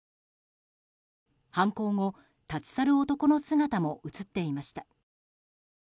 犯行後、立ち去る男の姿も映っていました。